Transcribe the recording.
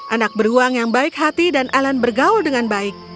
anak beruang yang baik hati dan alan bergaul dengan baik